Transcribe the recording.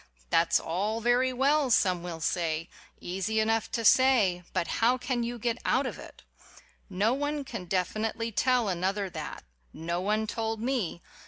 "That's all very well," some will say; "easy enough to say, but how can you get out of it?" No one can definitely tell another that. No one told me.